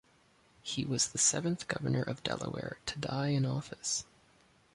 He was the seventh Governor of Delaware to die in office.